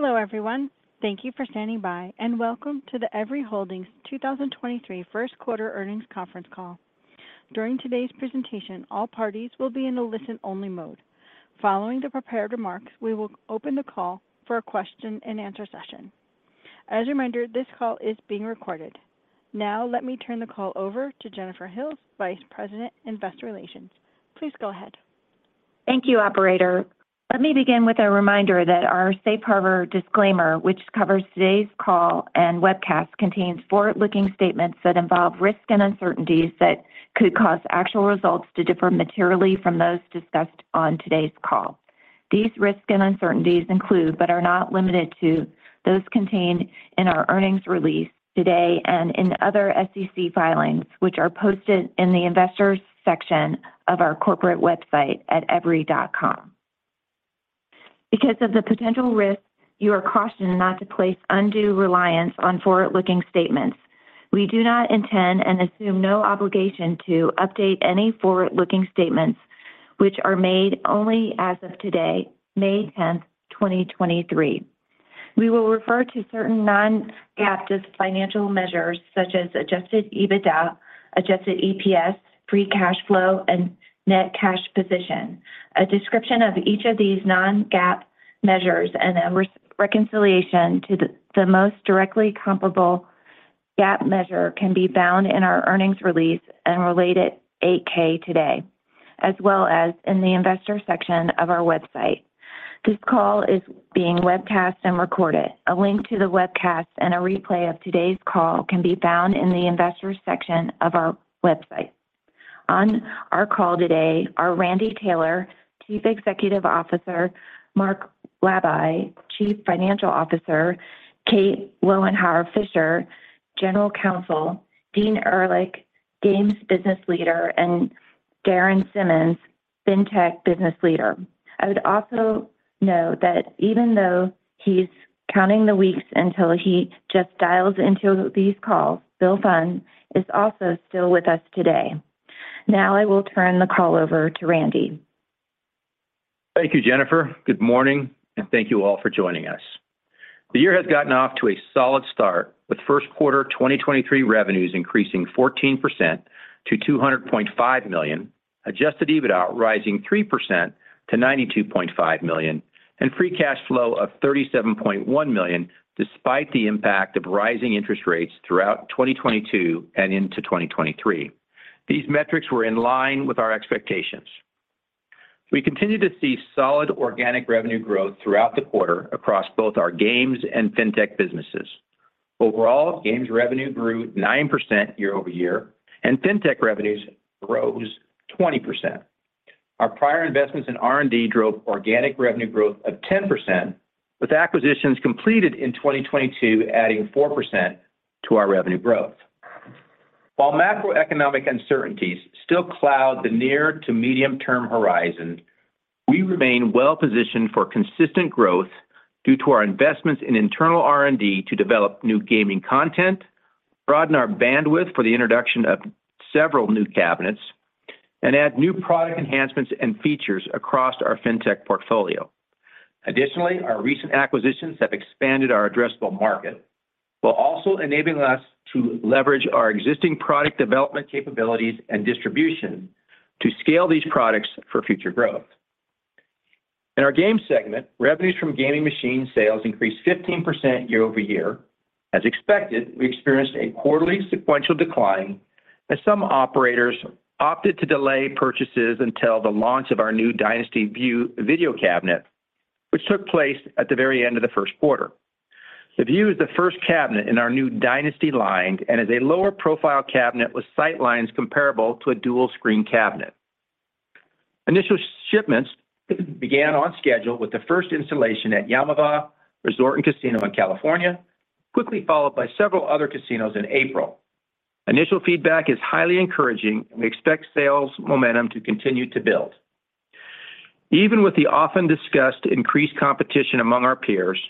Hello, everyone. Thank you for standing by. Welcome to the Everi Holdings 2023 first quarter earnings conference call. During today's presentation, all parties will be in a listen-only mode. Following the prepared remarks, we will open the call for a question-and-answer session. As a reminder, this call is being recorded. Now let me turn the call over to Jennifer Hills, Vice President, Investor Relations. Please go ahead. Thank you, operator. Let me begin with a reminder that our safe harbor disclaimer, which covers today's call and webcast, contains forward-looking statements that involve risks and uncertainties that could cause actual results to differ materially from those discussed on today's call. These risks and uncertainties include, but are not limited to those contained in our earnings release today and in other SEC filings, which are posted in the Investors section of our corporate website at everi.com. Because of the potential risks, you are cautioned not to place undue reliance on forward-looking statements. We do not intend and assume no obligation to update any forward-looking statements, which are made only as of today, May 10, 2023. We will refer to certain non-GAAP financial measures such as Adjusted EBITDA, Adjusted EPS, free cash flow, and net cash position. A description of each of these non-GAAP measures and a reconciliation to the most directly comparable GAAP measure can be found in our earnings release and related 8-K today, as well as in the Investor section of our website. This call is being webcast and recorded. A link to the webcast and a replay of today's call can be found in the Investors section of our website. On our call today are Randy Taylor, Chief Executive Officer, Mark Labay, Chief Financial Officer, Kate Lowenhar-Fisher, General Counsel, Dean Ehrlich, Games Business Leader, and Darren Simmons, Fintech Business Leader. I would also note that even though he's counting the weeks until he just dials into these calls, Bill Pfund is also still with us today. I will turn the call over to Randy. Thank you, Jennifer. Good morning, and thank you all for joining us. The year has gotten off to a solid start, with first quarter 2023 revenues increasing 14% to $200.5 million, Adjusted EBITDA rising 3% to $92.5 million, and free cash flow of $37.1 million, despite the impact of rising interest rates throughout 2022 and into 2023. These metrics were in line with our expectations. We continue to see solid organic revenue growth throughout the quarter across both our games and Fintech businesses. Overall, games revenue grew 9% year-over-year, and Fintech revenues rose 20%. Our prior investments in R&D drove organic revenue growth of 10%, with acquisitions completed in 2022 adding 4% to our revenue growth. While macroeconomic uncertainties still cloud the near to medium-term horizon, we remain well-positioned for consistent growth due to our investments in internal R&D to develop new gaming content, broaden our bandwidth for the introduction of several new cabinets, and add new product enhancements and features across our fintech portfolio. Our recent acquisitions have expanded our addressable market, while also enabling us to leverage our existing product development capabilities and distribution to scale these products for future growth. In our game segment, revenues from gaming machine sales increased 15% year-over-year. As expected, we experienced a quarterly sequential decline as some operators opted to delay purchases until the launch of our new Dynasty Vue video cabinet, which took place at the very end of the first quarter. The View is the first cabinet in our new Dynasty line and is a lower profile cabinet with sight lines comparable to a dual-screen cabinet. Initial shipments began on schedule with the first installation at Yaamava' Resort and Casino in California, quickly followed by several other casinos in April. Initial feedback is highly encouraging. We expect sales momentum to continue to build. Even with the often discussed increased competition among our peers,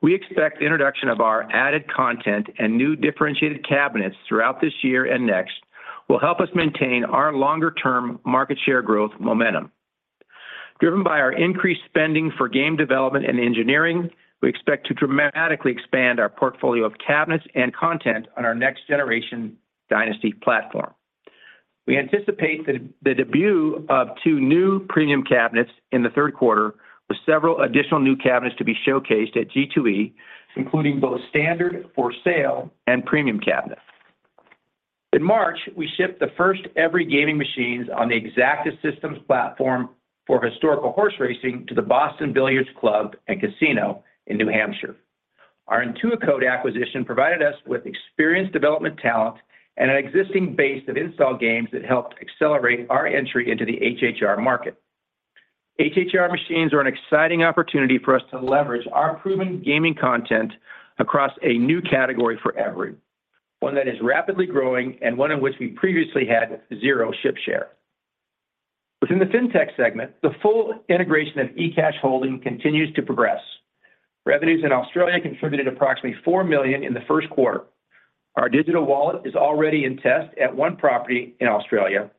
we expect the introduction of our added content and new differentiated cabinets throughout this year and next will help us maintain our longer-term market share growth momentum. Driven by our increased spending for game development and engineering, we expect to dramatically expand our portfolio of cabinets and content on our next generation Dynasty platform. We anticipate the debut of two new premium cabinets in the third quarter, with several additional new cabinets to be showcased at G2E, including both standard for sale and premium cabinets. In March, we shipped the first Everi gaming machines on the Exacta Systems platform for historical horse racing to the Boston Billiard Club & Casino in New Hampshire. Our Intuicode acquisition provided us with experienced development talent and an existing base of installed games that helped accelerate our entry into the HHR market. HHR machines are an exciting opportunity for us to leverage our proven gaming content across a new category for Everi, one that is rapidly growing and one in which we previously had zero ship share. Within the Fintech segment, the full integration of ecash Holdings continues to progress. Revenues in Australia contributed approximately $4 million in the first quarter. Our digital wallet is already in test at one property in Australia,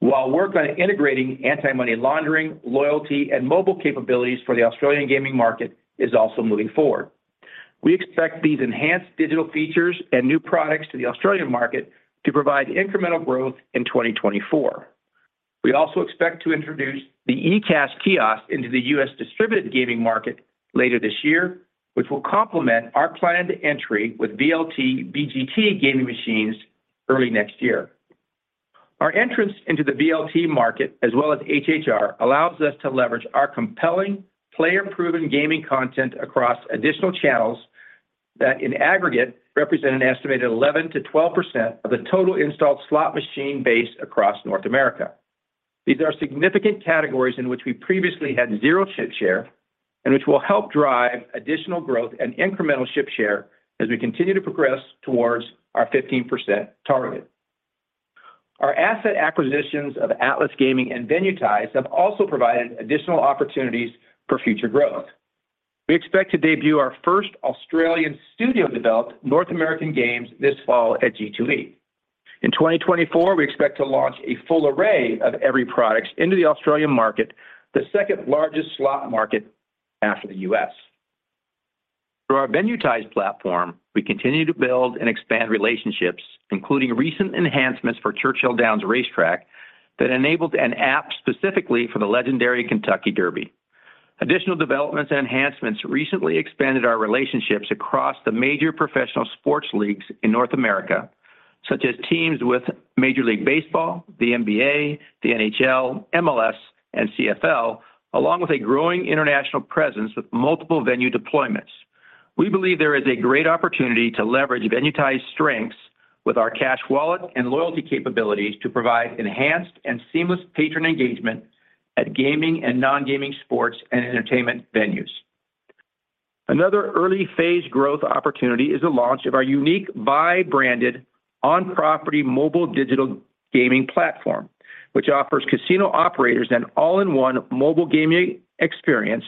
while work on integrating anti-money laundering, loyalty, and mobile capabilities for the Australian gaming market is also moving forward. We expect these enhanced digital features and new products to the Australian market to provide incremental growth in 2024. We also expect to introduce the ecash kiosk into the U.S. distributed gaming market later this year, which will complement our planned entry with VLT/BGT gaming machines early next year. Our entrance into the VLT market, as well as HHR, allows us to leverage our compelling player-proven gaming content across additional channels that in aggregate represent an estimated 11%-12% of the total installed slot machine base across North America. These are significant categories in which we previously had zero chip share and which will help drive additional growth and incremental ship share as we continue to progress towards our 15% target. Our asset acquisitions of Atlas Gaming and Venuetize have also provided additional opportunities for future growth. We expect to debut our first Australian studio-developed North American games this fall at G2E. In 2024, we expect to launch a full array of Everi products into the Australian market, the second-largest slot market after the U.S. Through our Venuetize platform, we continue to build and expand relationships, including recent enhancements for Churchill Downs Racetrack that enabled an app specifically for the legendary Kentucky Derby. Additional developments and enhancements recently expanded our relationships across the major professional sports leagues in North America, such as teams with Major League Baseball, the NBA, the NHL, MLS, and CFL, along with a growing international presence with multiple venue deployments. We believe there is a great opportunity to leverage Venuetize strengths with our cash wallet and loyalty capabilities to provide enhanced and seamless patron engagement at gaming and non-gaming sports and entertainment venues. Another early phase growth opportunity is the launch of our unique VY branded on-property mobile digital gaming platform, which offers casino operators an all-in-one mobile gaming experience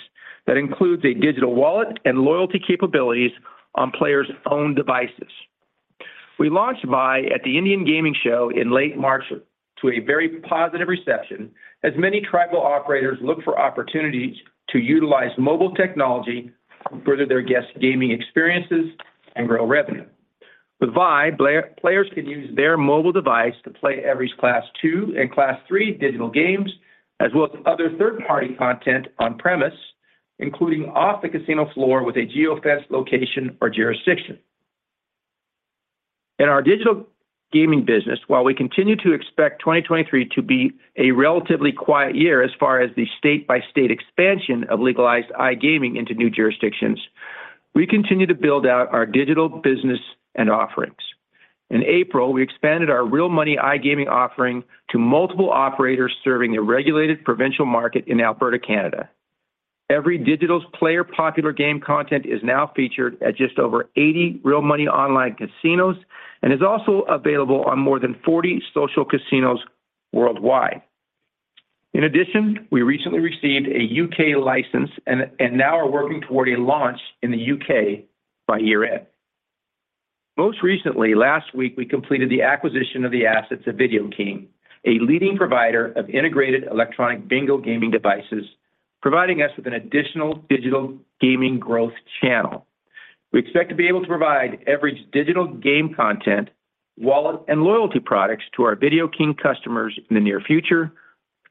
that includes a digital wallet and loyalty capabilities on players' own devices. We launched VY at the Indian Gaming Show in late March to a very positive reception, as many tribal operators look for opportunities to utilize mobile technology to further their guest gaming experiences and grow revenue. With VY, players can use their mobile device to play Everi Class II and Class III digital games, as well as other third-party content on premise, including off the casino floor with a geofence location or jurisdiction. In our digital gaming business, while we continue to expect 2023 to be a relatively quiet year as far as the state-by-state expansion of legalized iGaming into new jurisdictions, we continue to build out our digital business and offerings. In April, we expanded our real money iGaming offering to multiple operators serving the regulated provincial market in Alberta, Canada. Everi digital player popular game content is now featured at just over 80 real money online casinos and is also available on more than 40 social casinos worldwide. In addition, we recently received a UK license and now are working toward a launch in the UK by year-end. Most recently, last week, we completed the acquisition of the assets of Video King, a leading provider of integrated electronic bingo gaming devices, providing us with an additional digital gaming growth channel. We expect to be able to provide average digital game content, wallet, and loyalty products to our Video King customers in the near future,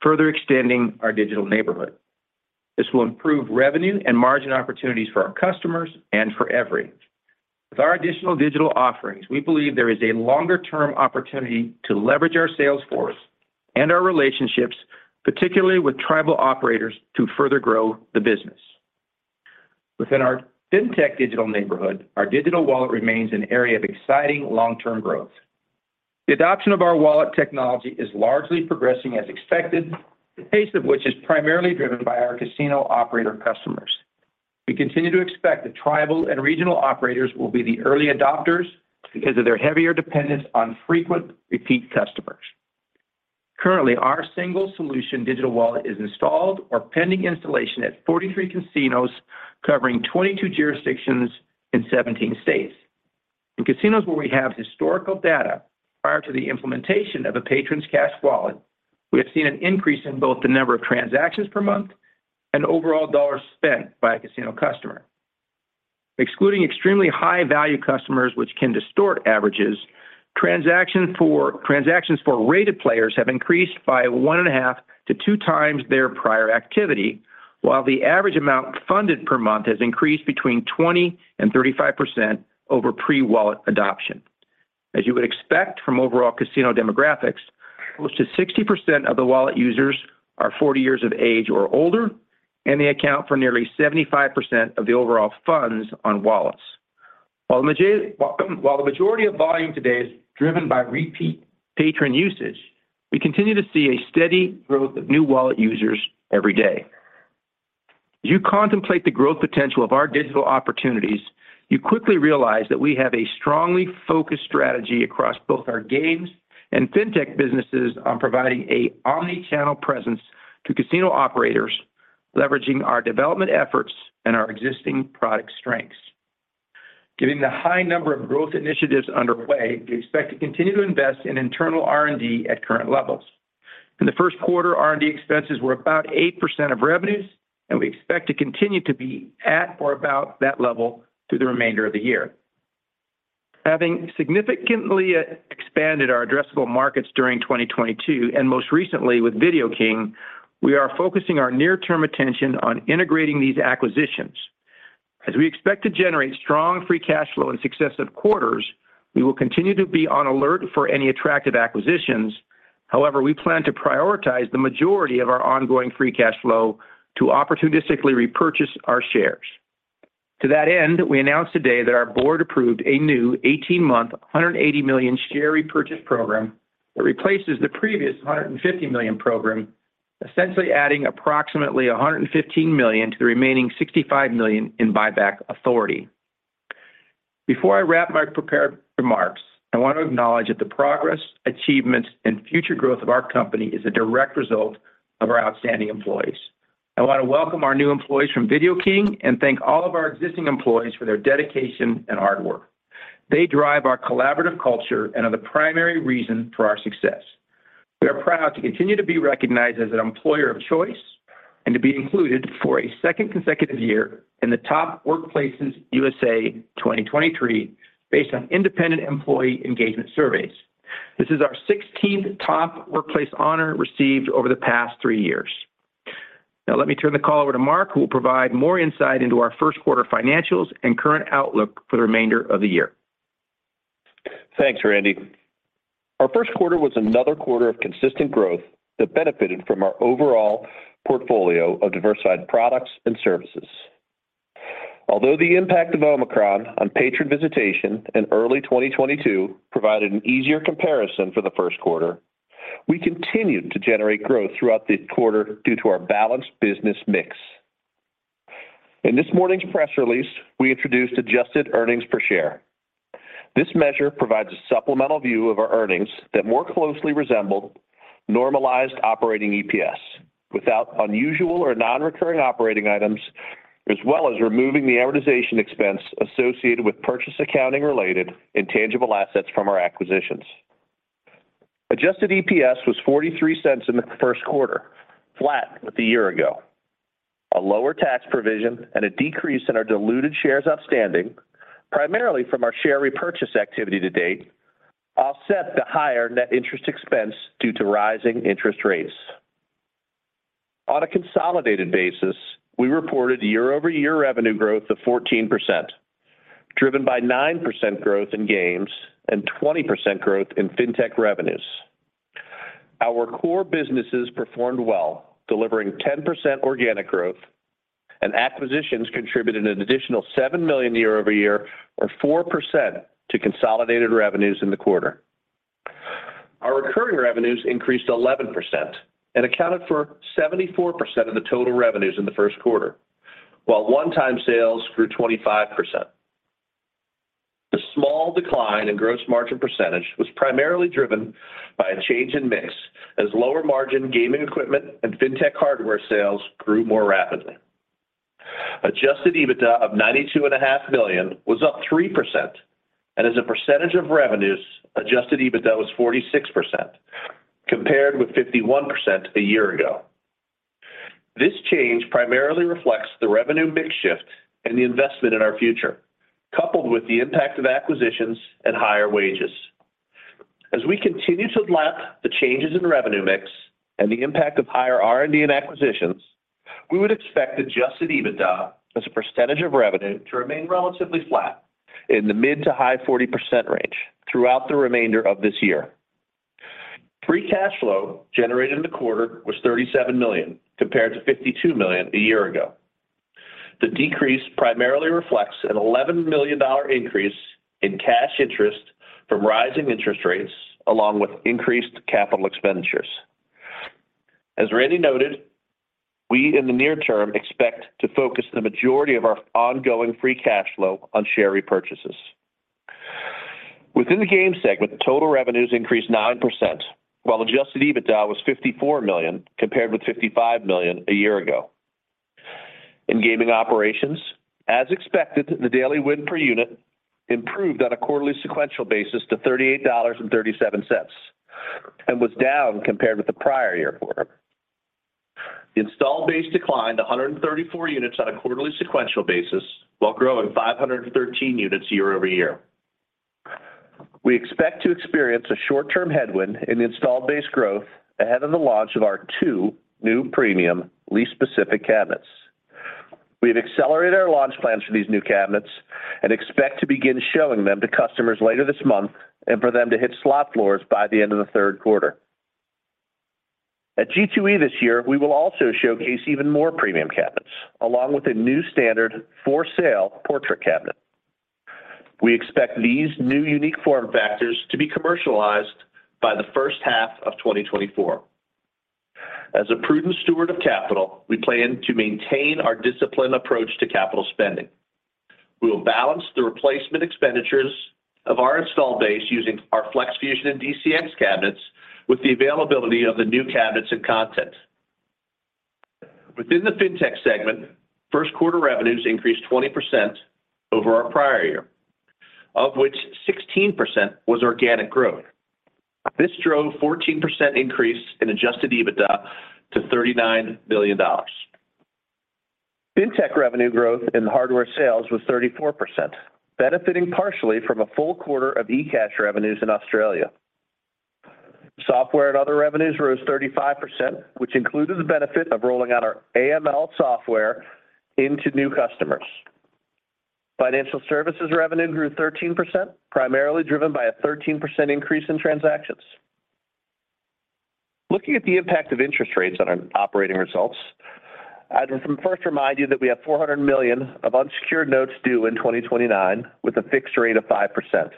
further extending our digital neighborhood. This will improve revenue and margin opportunities for our customers and for Everi. With our additional digital offerings, we believe there is a longer-term opportunity to leverage our sales force and our relationships, particularly with tribal operators, to further grow the business. Within our Fintech digital neighborhood, our digital wallet remains an area of exciting long-term growth. The adoption of our wallet technology is largely progressing as expected, the pace of which is primarily driven by our casino operator customers. We continue to expect the tribal and regional operators will be the early adopters because of their heavier dependence on frequent repeat customers. Currently, our single solution digital wallet is installed or pending installation at 43 casinos covering 22 jurisdictions in 17 states. In casinos where we have historical data prior to the implementation of a patron's cash wallet, we have seen an increase in both the number of transactions per month and overall dollars spent by a casino customer. Excluding extremely high-value customers which can distort averages, transactions for rated players have increased by 1.5 to 2 times their prior activity, while the average amount funded per month has increased between 20%-35% over pre-wallet adoption. As you would expect from overall casino demographics, close to 60% of the wallet users are 40 years of age or older, and they account for nearly 75% of the overall funds on wallets. While the majority of volume today is driven by repeat patron usage, we continue to see a steady growth of new wallet users every day. You contemplate the growth potential of our digital opportunities, you quickly realize that we have a strongly focused strategy across both our games and Fintech businesses on providing a omni-channel presence to casino operators leveraging our development efforts and our existing product strengths. Given the high number of growth initiatives underway, we expect to continue to invest in internal R&D at current levels. In the first quarter, R&D expenses were about 8% of revenues. We expect to continue to be at or about that level through the remainder of the year. Having significantly expanded our addressable markets during 2022, and most recently with Video King, we are focusing our near-term attention on integrating these acquisitions. As we expect to generate strong free cash flow in successive quarters, we will continue to be on alert for any attractive acquisitions. However, we plan to prioritize the majority of our ongoing free cash flow to opportunistically repurchase our shares. To that end, we announced today that our board approved a new 18-month, $180 million share repurchase program that replaces the previous $150 million program, essentially adding approximately $115 million to the remaining $65 million in buyback authority. Before I wrap my prepared remarks, I want to acknowledge that the progress, achievements, and future growth of our company is a direct result of our outstanding employees. I want to welcome our new employees from Video King and thank all of our existing employees for their dedication and hard work. They drive our collaborative culture and are the primary reason for our success. We are proud to continue to be recognized as an employer of choice and to be included for a second consecutive year in the Top Workplaces USA 2023 based on independent employee engagement surveys. This is our 16th Top Workplace honor received over the past three years. Let me turn the call over to Mark, who will provide more insight into our first quarter financials and current outlook for the remainder of the year. Thanks, Randy. Our first quarter was another quarter of consistent growth that benefited from our overall portfolio of diversified products and services. Although the impact of Omicron on patron visitation in early 2022 provided an easier comparison for the first quarter, we continued to generate growth throughout the quarter due to our balanced business mix. In this morning's press release, we introduced adjusted earnings per share. This measure provides a supplemental view of our earnings that more closely resemble normalized operating EPS without unusual or non-recurring operating items, as well as removing the amortization expense associated with purchase accounting-related intangible assets from our acquisitions. Adjusted EPS was $0.43 in the first quarter, flat with a year ago. A lower tax provision and a decrease in our diluted shares outstanding, primarily from our share repurchase activity to date, offset the higher net interest expense due to rising interest rates. On a consolidated basis, we reported year-over-year revenue growth of 14%, driven by 9% growth in games and 20% growth in fintech revenues. Our core businesses performed well, delivering 10% organic growth, and acquisitions contributed an additional $7 million year-over-year, or 4% to consolidated revenues in the quarter. Our recurring revenues increased 11% and accounted for 74% of the total revenues in the first quarter, while one-time sales grew 25%. The small decline in gross margin percentage was primarily driven by a change in mix as lower margin gaming equipment and fintech hardware sales grew more rapidly. Adjusted EBITDA of ninety-two and a half million was up 3%, and as a percentage of revenues, Adjusted EBITDA was 46%, compared with 51% a year ago. This change primarily reflects the revenue mix shift and the investment in our future, coupled with the impact of acquisitions and higher wages. As we continue to lap the changes in revenue mix and the impact of higher R&D and acquisitions, we would expect Adjusted EBITDA as a percentage of revenue to remain relatively flat in the mid to high 40% range throughout the remainder of this year. Free cash flow generated in the quarter was $37 million, compared to $52 million a year ago. The decrease primarily reflects an $11 million increase in cash interest from rising interest rates, along with increased capital expenditures. As Randy noted, we in the near term expect to focus the majority of our ongoing free cash flow on share repurchases. Within the game segment, total revenues increased 9%, while Adjusted EBITDA was $54 million, compared with $55 million a year ago. In gaming operations, as expected, the daily win per unit improved on a quarterly sequential basis to $38.37 and was down compared with the prior year quarter. Install base declined 134 units on a quarterly sequential basis while growing 513 units year-over-year. We expect to experience a short-term headwind in the install base growth ahead of the launch of our two new premium lease-specific cabinets. We have accelerated our launch plans for these new cabinets and expect to begin showing them to customers later this month and for them to hit slot floors by the end of the third quarter. At G2E this year, we will also showcase even more premium cabinets, along with a new standard for sale portrait cabinet. We expect these new unique form factors to be commercialized by the first half of 2024. As a prudent steward of capital, we plan to maintain our disciplined approach to capital spending. We will balance the replacement expenditures of our installed base using our Flex Fusion and DCX cabinets with the availability of the new cabinets and content. Within the Fintech segment, first quarter revenues increased 20% over our prior year, of which 16% was organic growth. This drove 14% increase in Adjusted EBITDA to $39 billion. Fintech revenue growth in hardware sales was 34%, benefiting partially from a full quarter of ecash revenues in Australia. Software and other revenues rose 35%, which included the benefit of rolling out our AML software into new customers. Financial services revenue grew 13%, primarily driven by a 13% increase in transactions. Looking at the impact of interest rates on our operating results, I'd first remind you that we have $400 million of unsecured notes due in 2029 with a fixed rate of 5%.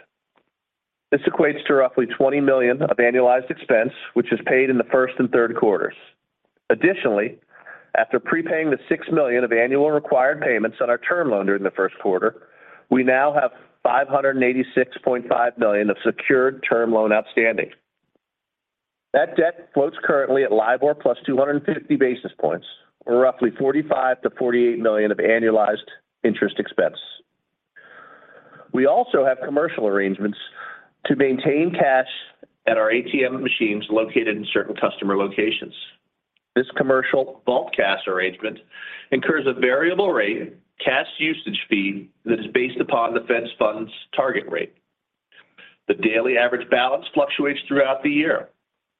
This equates to roughly $20 million of annualized expense, which is paid in the first and third quarters. After prepaying the $6 million of annual required payments on our term loan during the first quarter, we now have $586.5 million of secured term loan outstanding. That debt floats currently at LIBOR plus 250 basis points, or roughly $45 million-$48 million of annualized interest expense. We also have commercial arrangements to maintain cash at our ATM machines located in certain customer locations. This commercial bulk cash arrangement incurs a variable rate cash usage fee that is based upon the Fed's funds target rate. The daily average balance fluctuates throughout the year.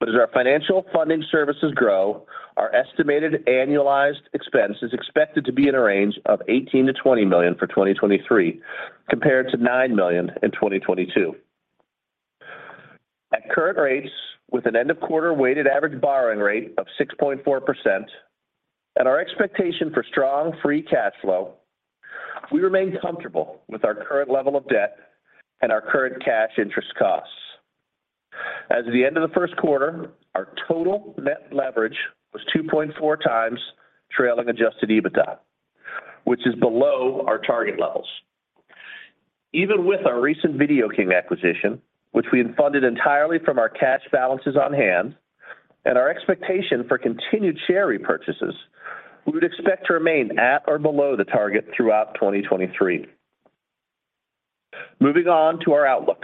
As our financial funding services grow, our estimated annualized expense is expected to be in a range of $18 million-$20 million for 2023 compared to $9 million in 2022. At current rates, with an end of quarter weighted average borrowing rate of 6.4% and our expectation for strong free cash flow, we remain comfortable with our current level of debt and our current cash interest costs. As of the end of the first quarter, our total net leverage was 2.4x trailing Adjusted EBITDA, which is below our target levels. Even with our recent Video King acquisition, which we had funded entirely from our cash balances on hand, and our expectation for continued share repurchases, we would expect to remain at or below the target throughout 2023. Moving on to our outlook.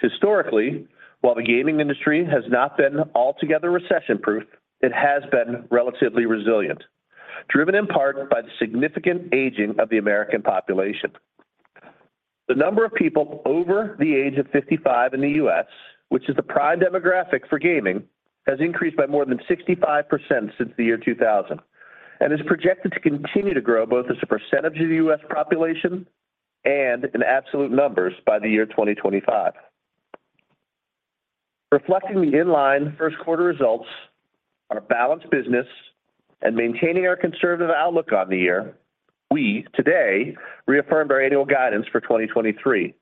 Historically, while the gaming industry has not been altogether recession-proof, it has been relatively resilient, driven in part by the significant aging of the American population. The number of people over the age of 55 in the U.S., which is the prime demographic for gaming, has increased by more than 65% since the year 2000, and is projected to continue to grow both as a percentage of the U.S. population and in absolute numbers by the year 2025. Reflecting the inline first quarter results, our balanced business, and maintaining our conservative outlook on the year, we today reaffirmed our annual guidance for 2023,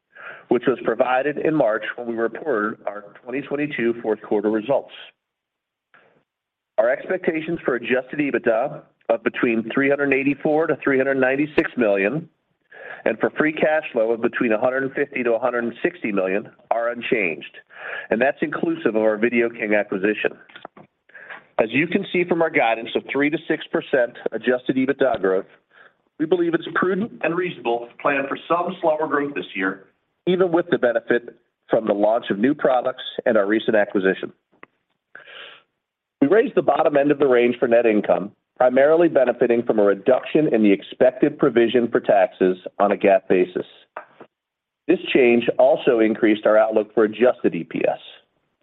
which was provided in March when we reported our 2022 fourth quarter results. Our expectations for Adjusted EBITDA of between $384 million-$396 million and for free cash flow of between $150 million-$160 million are unchanged, and that's inclusive of our Video King acquisition. As you can see from our guidance of 3%-6% Adjusted EBITDA growth, we believe it's prudent and reasonable to plan for some slower growth this year, even with the benefit from the launch of new products and our recent acquisition. We raised the bottom end of the range for net income, primarily benefiting from a reduction in the expected provision for taxes on a GAAP basis. This change also increased our outlook for adjusted EPS.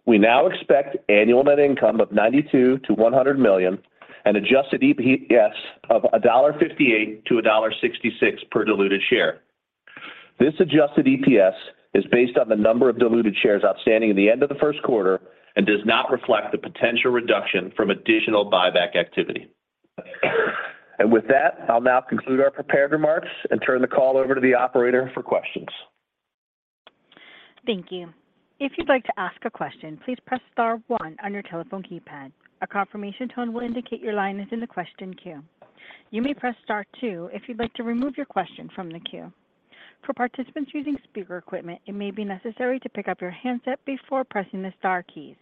We now expect annual net income of $92 million-$100 million and adjusted EPS of $1.58-$1.66 per diluted share. This adjusted EPS is based on the number of diluted shares outstanding in the end of the first quarter and does not reflect the potential reduction from additional buyback activity. With that, I'll now conclude our prepared remarks and turn the call over to the operator for questions. Thank you. If you'd like to ask a question, please press star one on your telephone keypad. A confirmation tone will indicate your line is in the question queue. You may press star two if you'd like to remove your question from the queue. For participants using speaker equipment, it may be necessary to pick up your handset before pressing the star keys.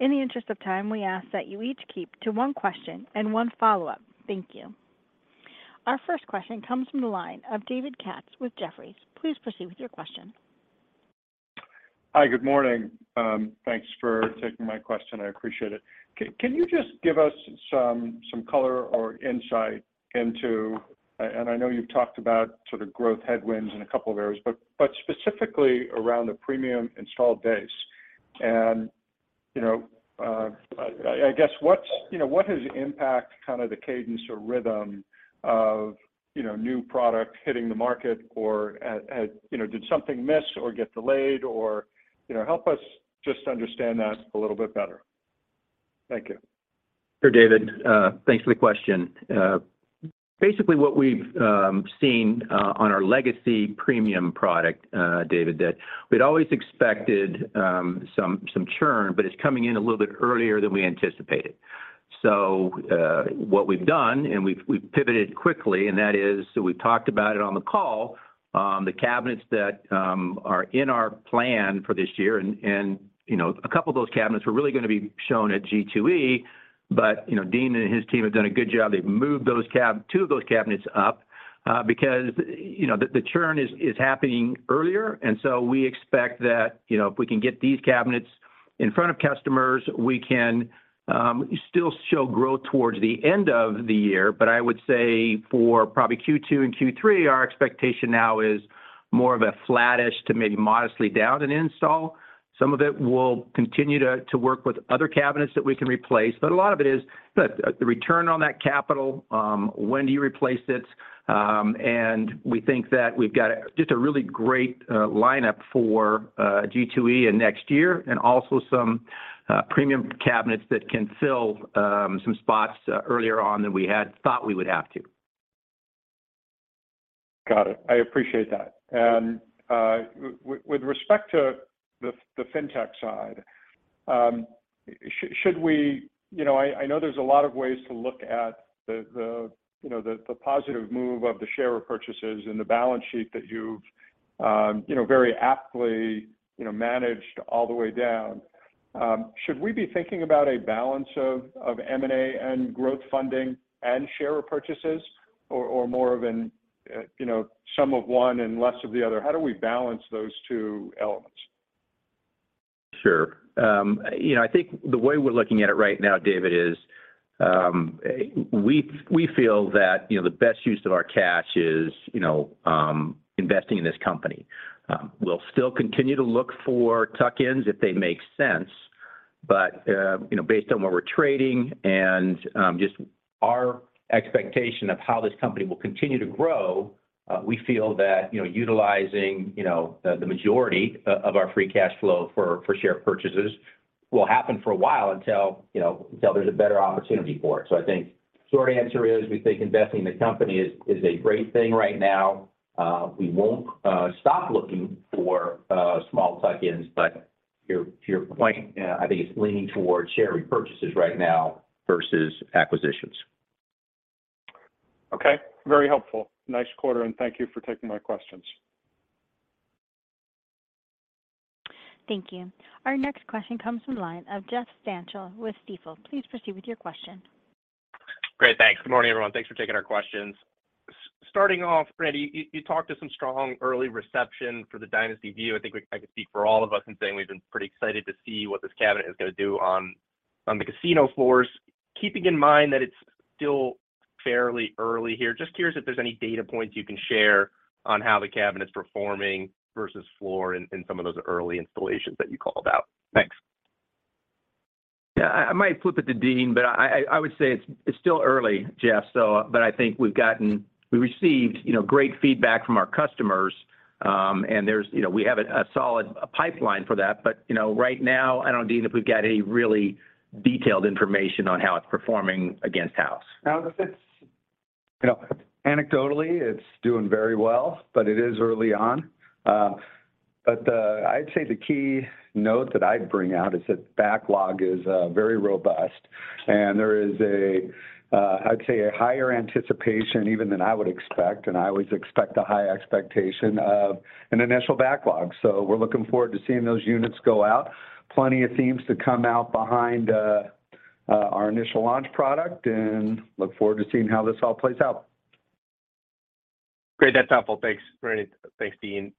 In the interest of time, we ask that you each keep to one question and one follow-up. Thank you. Our first question comes from the line of David Katz with Jefferies. Please proceed with your question. Hi. Good morning. Thanks for taking my question. I appreciate it. Can you just give us some color or insight into and I know you've talked about sort of growth headwinds in a couple of areas, but specifically around the premium installed base. You know, I guess what's, you know, what has impact kind of the cadence or rhythm of, you know, new product hitting the market or, you know, did something miss or get delayed or, you know, help us just understand that a little bit better. Thank you. Sure, David. Thanks for the question. Basically what we've seen on our legacy premium product, David, that we'd always expected some churn, but it's coming in a little bit earlier than we anticipated. What we've done, and we've pivoted quickly, and that is, so we've talked about it on the call, the cabinets that are in our plan for this year and, you know, a couple of those cabinets were really gonna be shown at G2E. You know, Dean and his team have done a good job. They've moved those two of those cabinets up, because, you know, the churn is happening earlier. We expect that, you know, if we can get these cabinets in front of customers, we can still show growth towards the end of the year. I would say for probably Q2 and Q3, our expectation now is more of a flattish to maybe modestly down in install. Some of it will continue to work with other cabinets that we can replace. A lot of it is the return on that capital, when do you replace it? We think that we've got just a really great lineup for G2E and next year, and also some premium cabinets that can fill some spots earlier on than we had thought we would have to. Got it. I appreciate that. With respect to the Fintech side, should we? You know, I know there's a lot of ways to look at the, you know, the positive move of the share repurchases and the balance sheet that you've, you know, very aptly, you know, managed all the way down. Should we be thinking about a balance of M&A and growth funding and share repurchases or more of an, you know, some of one and less of the other? How do we balance those two elements? Sure. You know, I think the way we're looking at it right now, David, is, we feel that, you know, the best use of our cash is, you know, investing in this company. We'll still continue to look for tuck-ins if they make sense. You know, based on where we're trading and, just our expectation of how this company will continue to grow, we feel that, you know, utilizing, you know, the majority of our free cash flow for share purchases will happen for a while until, you know, until there's a better opportunity for it. I think short answer is, we think investing in the company is a great thing right now. We won't stop looking for small tuck-ins, but to your point, I think it's leaning towards share repurchases right now versus acquisitions. Okay. Very helpful. Nice quarter, and thank you for taking my questions. Thank you. Our next question comes from line of Jeff Stantial with Stifel. Please proceed with your question. Great. Thanks. Good morning, everyone. Thanks for taking our questions. Starting off, Randy, you talked to some strong early reception for the Dynasty Vue. I think I can speak for all of us in saying we've been pretty excited to see what this cabinet is gonna do on the casino floors. Keeping in mind that it's still fairly early here, just curious if there's any data points you can share on how the cabinet's performing versus floor in some of those early installations that you called out. Thanks. Yeah. I might flip it to Dean, I would say it's still early, Jeff, so. I think we received, you know, great feedback from our customers. There's, you know, we have a solid pipeline for that. You know, right now, I don't know, Dean, if we've got any really detailed information on how it's performing against house. No, you know, anecdotally, it's doing very well, but it is early on. I'd say the key note that I'd bring out is that backlog is very robust, and there is a, I'd say a higher anticipation even than I would expect, and I always expect a high expectation of an initial backlog. We're looking forward to seeing those units go out. Plenty of themes to come out behind our initial launch product, and look forward to seeing how this all plays out. Great. That's helpful. Thanks, Randy. Thanks, Dean.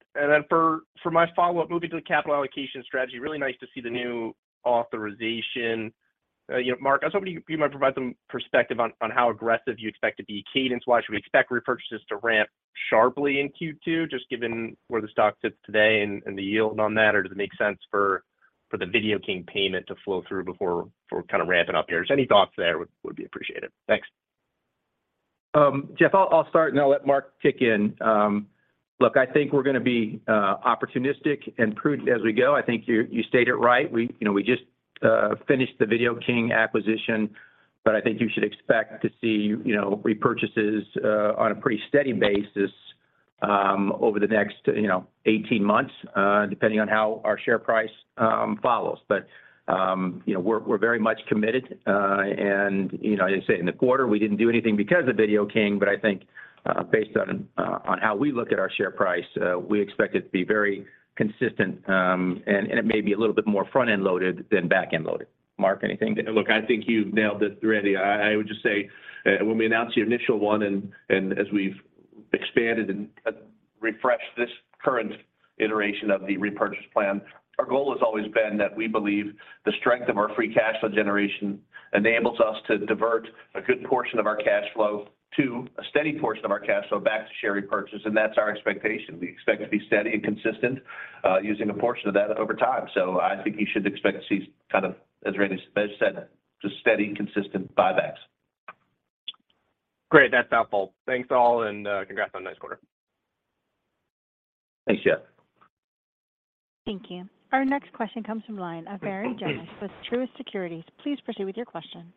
For, for my follow-up, moving to the capital allocation strategy, really nice to see the new authorization. You know, Mark, I was hoping you might provide some perspective on how aggressive you expect to be cadence-wise. Should we expect repurchases to ramp sharply in Q2, just given where the stock sits today and the yield on that, or does it make sense for the Video King payment to flow through before kind of ramping up here? Just any thoughts there would be appreciated. Thanks. Jeff, I'll start, and I'll let Mark kick in. Look, I think we're gonna be opportunistic and prudent as we go. I think you stated it right. We, you know, we just finished the Video King acquisition, but I think you should expect to see, you know, repurchases on a pretty steady basis over the next, you know, 18 months, depending on how our share price follows. You know, we're very much committed. You know, as I said, in the quarter, we didn't do anything because of Video King, but I think, based on how we look at our share price, we expect it to be very consistent. It may be a little bit more front-end loaded than back-end loaded. Mark, anything to- I think you've nailed it, Randy. I would just say, when we announced the initial one and as we've expanded and refreshed this current iteration of the repurchase plan, our goal has always been that we believe the strength of our free cash flow generation enables us to divert a good portion of our cash flow to a steady portion of our cash flow back to share repurchase, and that's our expectation. We expect to be steady and consistent, using a portion of that over time. I think you should expect to see kind of, as Randy said, just steady, consistent buybacks. Great. That's helpful. Thanks, all, and congrats on a nice quarter. Thanks, Jeff. Thank you. Our next question comes from line of Barry Jonas with Truist Securities. Please proceed with your question.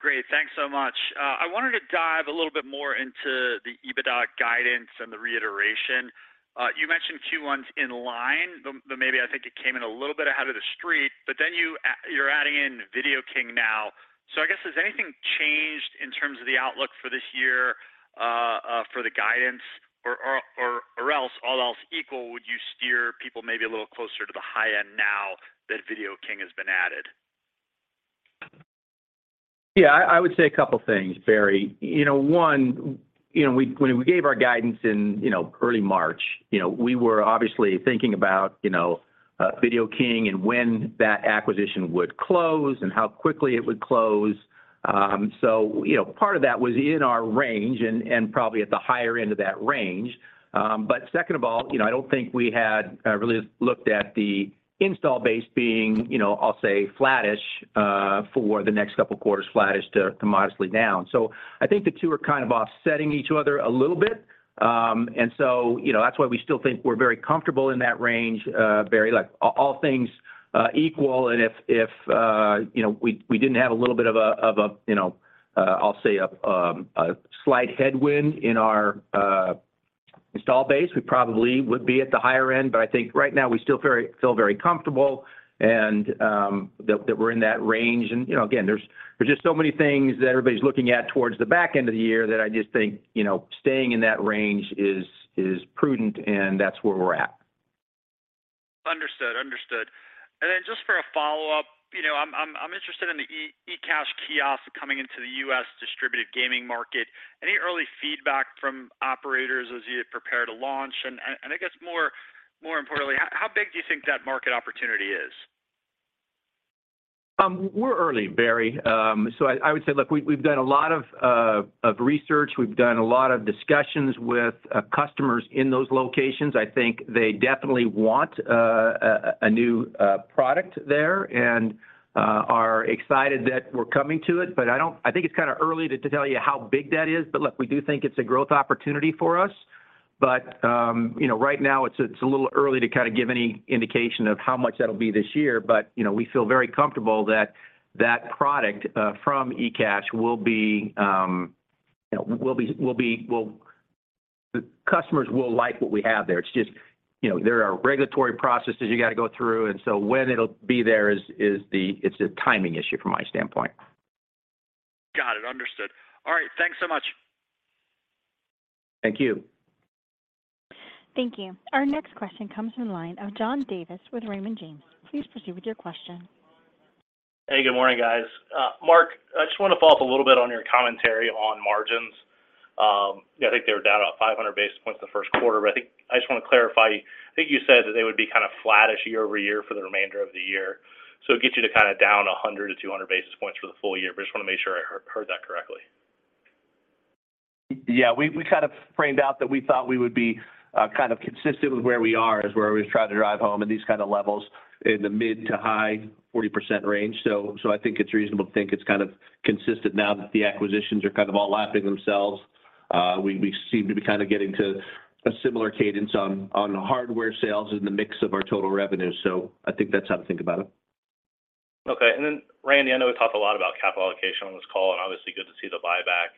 Great. Thanks so much. I wanted to dive a little bit more into the EBITDA guidance and the reiteration. You mentioned Q1's in line, but maybe I think it came in a little bit ahead of the street, but then you're adding in Video King now. I guess, has anything changed in terms of the outlook for this year, for the guidance or else all else equal, would you steer people maybe a little closer to the high end now that Video King has been added? I would say a couple things, Barry. You know, one, you know, when we gave our guidance in, you know, early March, you know, we were obviously thinking about, you know, Video King and when that acquisition would close and how quickly it would close. You know, part of that was in our range and probably at the higher end of that range. Second of all, you know, I don't think we had really looked at the install base being, you know, I'll say flattish for the next couple quarters, flattish to modestly down. I think the two are kind of offsetting each other a little bit. You know, that's why we still think we're very comfortable in that range, Barry. Like all things equal and if, you know, we didn't have a little bit of a, of a, you know, I'll say a slight headwind in our install base, we probably would be at the higher end. I think right now we still feel very comfortable and that we're in that range. You know, again, there's just so many things that everybody's looking at towards the back end of the year that I just think, you know, staying in that range is prudent and that's where we're at. Understood. Understood. Then just for a follow-up, you know, I'm interested in the ecash kiosk coming into the U.S. distributed gaming market. Any early feedback from operators as you prepare to launch? I guess more importantly, how big do you think that market opportunity is? We're early, Barry. I would say, look, we've done a lot of research. We've done a lot of discussions with customers in those locations. I think they definitely want a new product there and are excited that we're coming to it. I think it's kinda early to tell you how big that is. Look, we do think it's a growth opportunity for us. You know, right now it's a little early to kinda give any indication of how much that'll be this year. You know, we feel very comfortable that that product from ecash will be, you know, will be. The customers will like what we have there. It's just, you know, there are regulatory processes you gotta go through, and so when it'll be there it's a timing issue from my standpoint. Got it. Understood. All right. Thanks so much. Thank you. Thank you. Our next question comes from the line of John Davis with Raymond James. Please proceed with your question. Hey, good morning, guys. Mark, I just wanna follow up a little bit on your commentary on margins. I think they were down about 500 basis points the first quarter. I think I just wanna clarify. I think you said that they would be kind of flattish year-over-year for the remainder of the year. It gets you to kinda down 100-200 basis points for the full year. Just wanna make sure I heard that correctly. Yeah. We kind of framed out that we thought we would be kind of consistent with where we are is where we've tried to drive home in these kind of levels in the mid to high 40% range. I think it's reasonable to think it's kind of consistent now that the acquisitions are kind of all lapping themselves. We seem to be kinda getting to a similar cadence on hardware sales in the mix of our total revenue. I think that's how to think about it. Okay. Randy, I know we talked a lot about capital allocation on this call, and obviously good to see the buyback.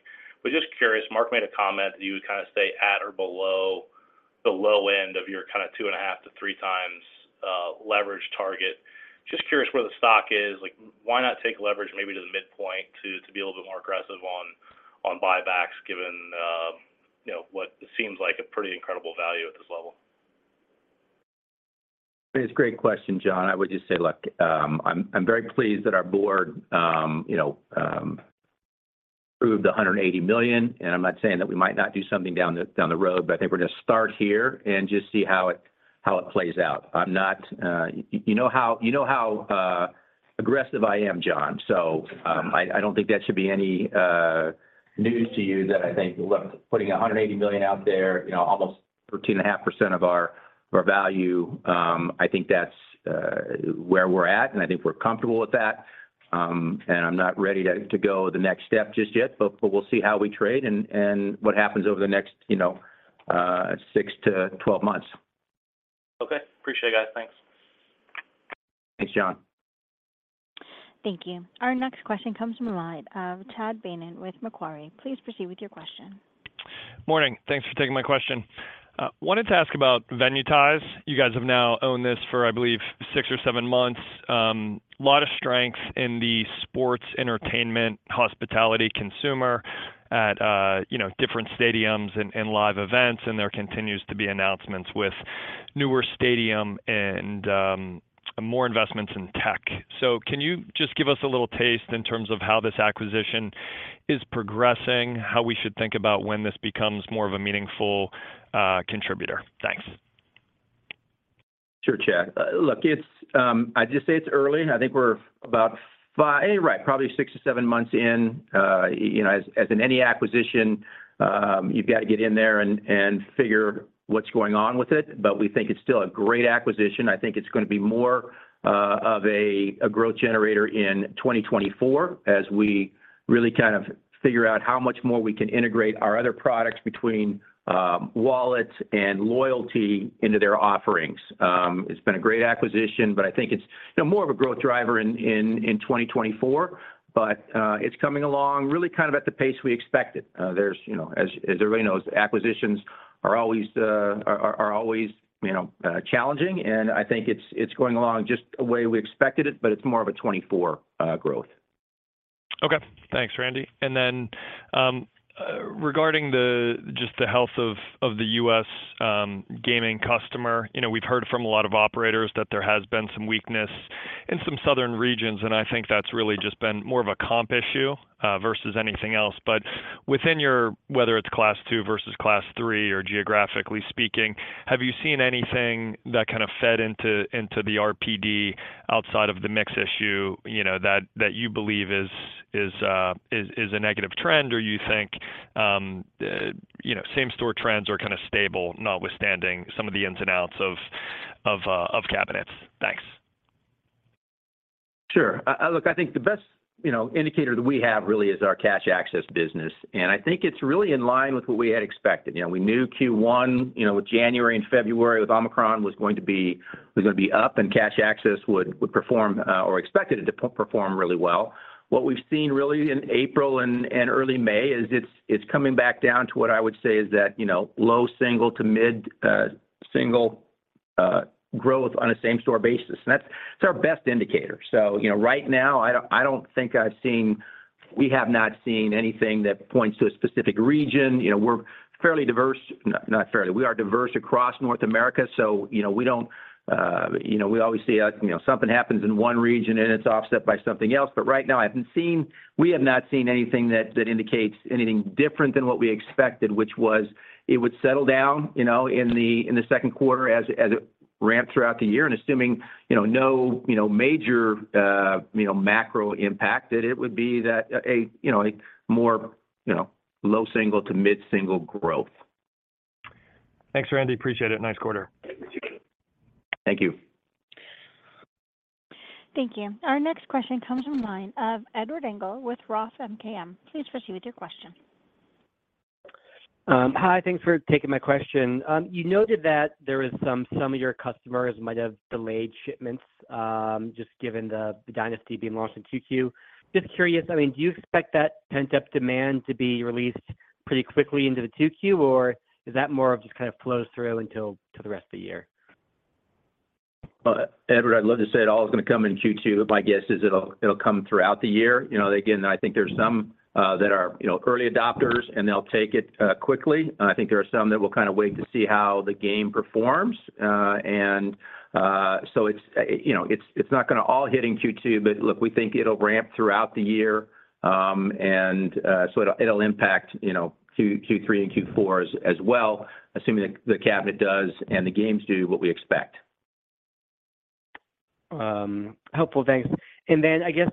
Just curious, Mark made a comment that you would kinda stay at or below the low end of your kinda 2.5x-3x leverage target. Just curious where the stock is. Like, why not take leverage maybe to the midpoint to be a little bit more aggressive on buybacks given, you know, what seems like a pretty incredible value at this level? It's a great question, John. I would just say, look, I'm very pleased that our board, you know, approved the $180 million. I'm not saying that we might not do something down the road. I think we're gonna start here and just see how it plays out. You know how aggressive I am, John. I don't think that should be any news to you that I think, look, putting a $180 million out there, you know, almost 13.5% of our value, I think that's where we're at, and I think we're comfortable with that. I'm not ready to go the next step just yet, but we'll see how we trade and what happens over the next, you know, six to 12 months. Okay. Appreciate it, guys. Thanks. Thanks, John. Thank you. Our next question comes from the line of Chad Beynon with Macquarie. Please proceed with your question. Morning. Thanks for taking my question. Wanted to ask about Venuetize. You guys have now owned this for, I believe, six or seven months. A lot of strengths in the sports, entertainment, hospitality consumer at, you know, different stadiums and live events. There continues to be announcements with newer stadium and more investments in tech. Can you just give us a little taste in terms of how this acquisition is progressing, how we should think about when this becomes more of a meaningful contributor? Thanks. Sure, Chad. Look, I'd just say it's early. Right. Probably 6 or 7 months in. You know, as in any acquisition, you've got to get in there and figure what's going on with it. We think it's still a great acquisition. I think it's gonna be more of a growth generator in 2024 as we really kind of figure out how much more we can integrate our other products between wallets and loyalty into their offerings. It's been a great acquisition, but I think it's, you know, more of a growth driver in 2024. It's coming along really kind of at the pace we expected. There's, you know, as everybody knows, acquisitions are always, you know, challenging. I think it's going along just the way we expected it, but it's more of a 2024 growth. y. And then, regarding the just the health of the U.S. gaming customer, you know, we've heard from a lot of operators that there has been some weakness in some southern regions, and I think that's really just been more of a comp issue versus anything else. But within your, whether it's Class II versus Class III or geographically speaking, have you seen anything that kind of fed into the RPD outside of the mix issue, you know, that you believe is, is a negative trend? Or you think, you know, same store trends are kind of stable notwithstanding some of the ins and outs of cabinets? Thanks Look, I think the best, you know, indicator that we have really is our cash access business, and I think it's really in line with what we had expected. You know, we knew Q1, you know, with January and February with Omicron was gonna be up, and cash access would perform, or expected it to perform really well. What we've seen really in April and early May is it's coming back down to what I would say is that, you know, low single to mid-single growth on a same-store basis. It's our best indicator. You know, right now, we have not seen anything that points to a specific region. You know, we're fairly diverse. Not fairly. We are diverse across North America. You know, we don't, you know, we always see, you know, something happens in one region and it's offset by something else. Right now, we have not seen anything that indicates anything different than what we expected, which was it would settle down, you know, in the second quarter as it ramped throughout the year. Assuming, you know, no, you know, major, you know, macro impact, that it would be, you know, a more, you know, low single to mid-single growth. Thanks, Randy. Appreciate it. Nice quarter. Thank you. Thank you. Our next question comes from the line of Edward Engel with Roth MKM. Please proceed with your question. Hi. Thanks for taking my question. You noted that there is some of your customers might have delayed shipments, just given the Dynasty being launched in Q2. Just curious, I mean, do you expect that pent-up demand to be released pretty quickly into the Q2? Or is that more of just kind of flows through until to the rest of the year? Edward, I'd love to say it all is gonna come in Q2. My guess is it'll come throughout the year. You know, again, I think there's some that are, you know, early adopters, and they'll take it quickly. I think there are some that will kind of wait to see how the game performs. So it's, you know, it's not gonna all hit in Q2, but look, we think it'll ramp throughout the year. So it'll impact, you know, Q3 and Q4 as well, assuming the cabinet does and the games do what we expect. Helpful. Thanks. Then I guess,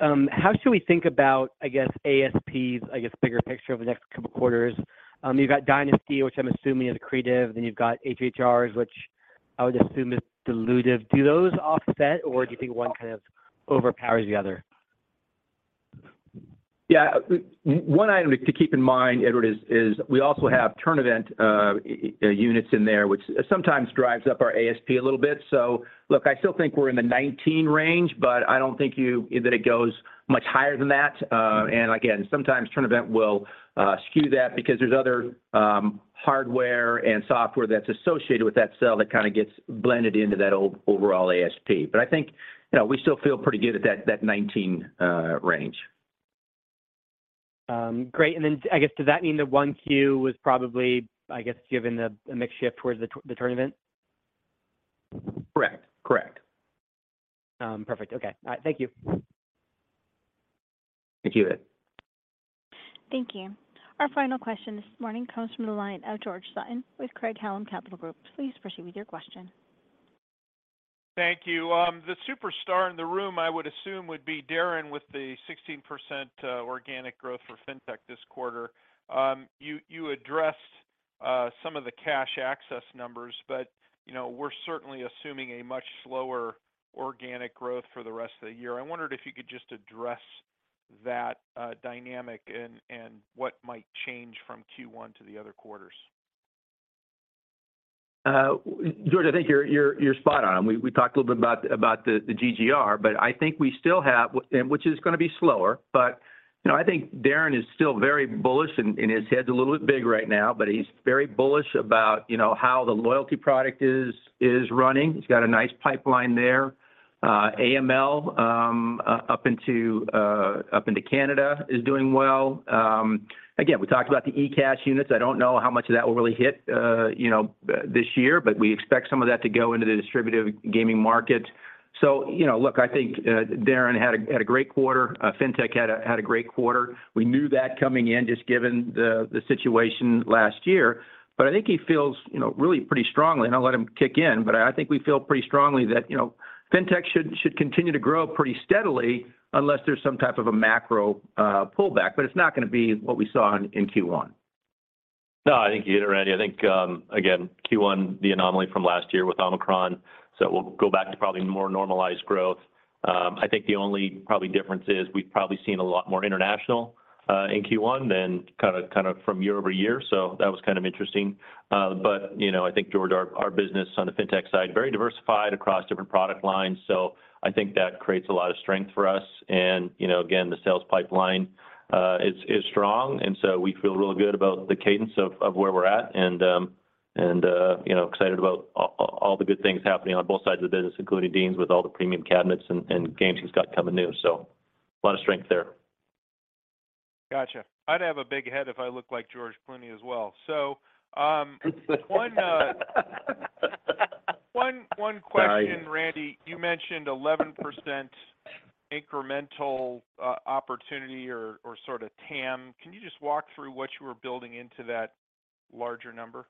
how should we think about, I guess, ASPs, bigger picture over the next couple quarters? You've got Dynasty, which I'm assuming is accretive, then you've got HHRs, which I would assume is dilutive. Do those offset or do you think one kind of overpowers the other? One item to keep in mind, Edward, is we also have TournEvent units in there, which sometimes drives up our ASP a little bit. Look, I still think we're in the 19 range, but I don't think that it goes much higher than that. And again, sometimes TournEvent will skew that because there's other hardware and software that's associated with that sale that kind of gets blended into that overall ASP. But I think, you know, we still feel pretty good at that 19 range. Great. I guess, does that mean the 1Q was probably, I guess, given the, a mix shift towards the TournEvent? Correct. Correct. Perfect. Okay. All right. Thank you. Thank you, Ed. Thank you. Our final question this morning comes from the line of George Sutton with Craig-Hallum Capital Group. Please proceed with your question. Thank you. The superstar in the room, I would assume, would be Darren with the 16% organic growth for Fintech this quarter. You addressed some of the cash access numbers, you know, we're certainly assuming a much slower organic growth for the rest of the year. I wondered if you could just address that dynamic and what might change from Q1 to the other quarters. George, I think you're spot on. We talked a little bit about the GGR, but I think we still have... which is gonna be slower, but, you know, I think Darren is still very bullish and his head's a little bit big right now, but he's very bullish about, you know, how the loyalty product is running. He's got a nice pipeline there. AML up into Canada is doing well. Again, we talked about the ecash units. I don't know how much of that will really hit, you know, this year, but we expect some of that to go into the distributive gaming market. You know, look, I think Darren had a great quarter. Fintech had a great quarter. We knew that coming in, just given the situation last year. I think he feels, you know, really pretty strongly, and I'll let him kick in, I think we feel pretty strongly that, you know, fintech should continue to grow pretty steadily unless there's some type of a macro pullback, but it's not gonna be what we saw in Q1. No, I think you hit it, Randy. I think, again, Q1, the anomaly from last year with Omicron. We'll go back to probably more normalized growth. I think the only probably difference is we've probably seen a lot more international in Q1 than kinda from year-over-year. That was kind of interesting. You know, I think, George, our business on the fintech side, very diversified across different product lines. I think that creates a lot of strength for us. You know, again, the sales pipeline is strong, we feel really good about the cadence of where we're at and You know, excited about all the good things happening on both sides of the business, including Dean's with all the premium cabinets and games he's got coming new. A lot of strength there. Gotcha. I'd have a big head if I looked like George Sutton as well. One question, Randy, you mentioned 11% incremental opportunity or sort of TAM. Can you just walk through what you were building into that larger number?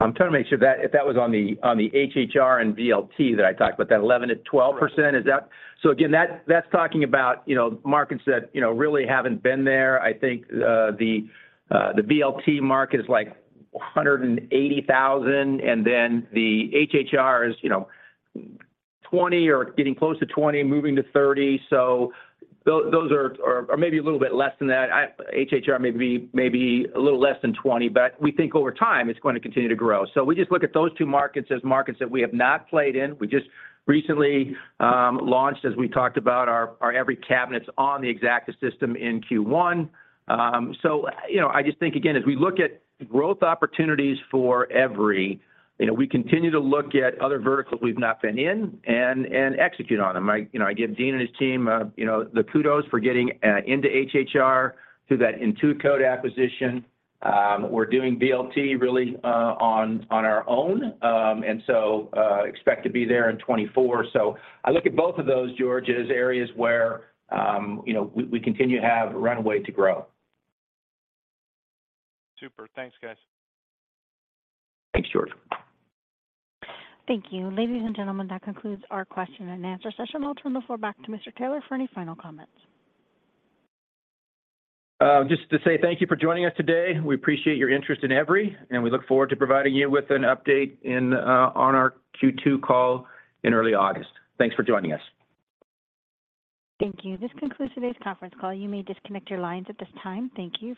I'm trying to make sure that if that was on the HHR and VLT that I talked about, that 11%-12%, is that? Again, that's talking about, you know, markets that, you know, really haven't been there. I think the VLT market is like 180,000, and then the HHR is, you know, 20 or getting close to 20, moving to 30. Those are... Or maybe a little bit less than that. HHR may be a little less than 20, but we think over time it's going to continue to grow. We just look at those two markets as markets that we have not played in. We just recently launched, as we talked about, our Everi cabinets on the Exacta system in Q1. You know, I just think again, as we look at growth opportunities for Everi, you know, we continue to look at other verticals we've not been in and execute on them. I, you know, I give Dean and his team, you know, the kudos for getting into HHR through that Intuicode acquisition. We're doing VLT really on our own, expect to be there in 2024. I look at both of those, George, as areas where, you know, we continue to have runway to grow. Super. Thanks, guys. Thanks, George. Thank you. Ladies and gentlemen, that concludes our question and answer session. I'll turn the floor back to Mr. Taylor for any final comments. Just to say thank you for joining us today. We appreciate your interest in Everi, and we look forward to providing you with an update in on our Q2 call in early August. Thanks for joining us. Thank you. This concludes today's conference call. You may disconnect your lines at this time. Thank you.